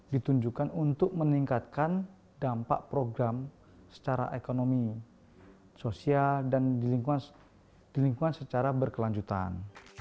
ditunjukkan untuk meningkatkan dampak program secara ekonomi sosial dan lingkungan secara berkelanjutan